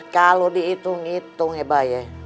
kalo diitung itung ya mbak ya